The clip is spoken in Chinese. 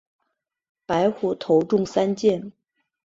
白虎头中三箭。